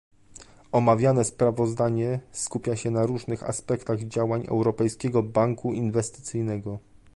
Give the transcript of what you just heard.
Omawiane sprawozdanie skupia się na różnych aspektach działań Europejskiego Banku Inwestycyjnego